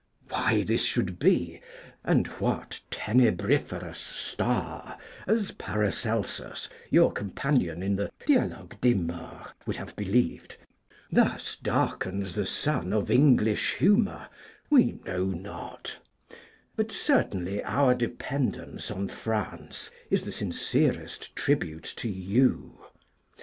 Why this should be, and what 'tenebriferous star' (as Paracelsus, your companion in the 'Dialogues des Morts,' would have believed) thus darkens the sun of English humour, we know not; but certainly our dependence on France is the sincerest tribute to you.